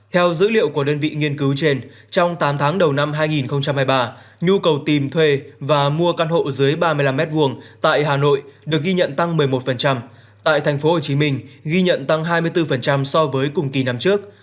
theo dữ liệu của đơn vị nghiên cứu trên trong tám tháng đầu năm hai nghìn hai mươi ba nhu cầu tìm thuê và mua căn hộ dưới ba mươi năm m hai tại hà nội được ghi nhận tăng một mươi một tại tp hcm ghi nhận tăng hai mươi bốn so với cùng kỳ năm trước